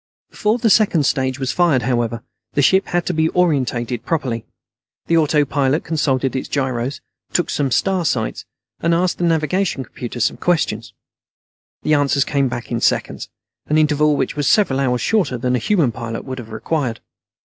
Before the second stage was fired, however, the ship had to be oriented properly. The autopilot consulted its gyros, took some star sights, and asked the navigation computer some questions. The answers came back in seconds, an interval which was several hours shorter than a human pilot would have required.